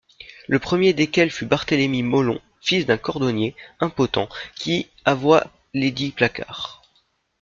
Le premier desquels fut Barthélemy Mollon, fils d'un cordonnier, impotent, qui avoit lesdicts placards.